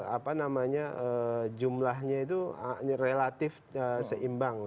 apa namanya jumlahnya itu relatif seimbang